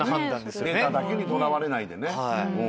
データだけにとらわれないでね。